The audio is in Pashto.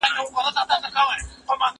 زه مخکې منډه وهلې وه!؟